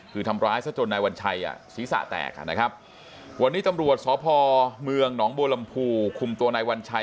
คือทำร้ายซะจนนายวัญชัยศีรษะแตกนะครับวันนี้ตำรวจสพเมืองหนองบัวลำพูคุมตัวนายวัญชัย